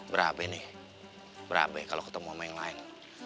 berabe nih berabe kalau ketemu sama yang lain